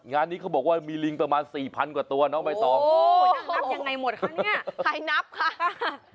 งานนี้เขาบอกว่ามีลิงประมาณสี่พันกว่าตัวน้องใบตองโอ้จะนับยังไงหมดคะเนี่ยใครนับค่ะ